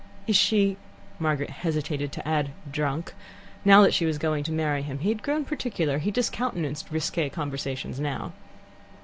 "Is she " Margaret hesitated to add "drunk." Now that she was going to marry him, he had grown particular. He discountenanced risque conversations now.